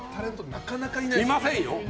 なかなかいませんよ。